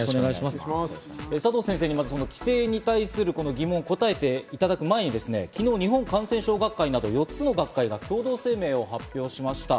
佐藤先生にまず帰省に対する疑問に答えていただく前に日本感染症学会など４つの学会が共同声明を発表しました。